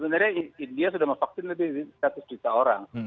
sebenarnya india sudah memvaksin lebih dari seratus juta orang